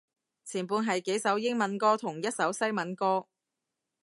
前半係幾首英文歌同一首西文歌